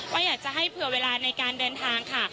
ก็อยากจะให้เผื่อเวลาในการเดินทางค่ะ